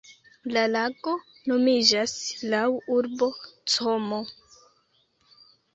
La lago nomiĝas laŭ urbo Como.